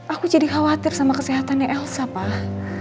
aku jadi khawatir sama kesehatannya elsa pak